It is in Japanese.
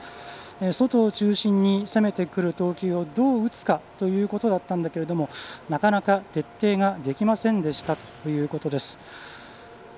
外を中心に攻めてくる投球をどう打つかということだったんだけれどもなかなか徹底ができませんでしたということです。